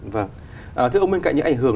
vâng thưa ông bên cạnh những ảnh hưởng